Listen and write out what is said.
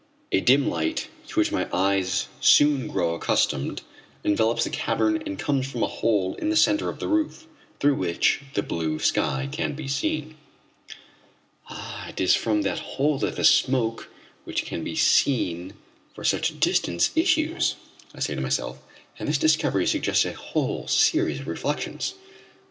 A dim light to which my eyes soon grow accustomed envelops the cavern and comes from a hole in the centre of the roof, through which the blue sky can be seen. "It is from that hole that the smoke which can be seen for such a distance issues," I say to myself, and this discovery suggests a whole series of reflections.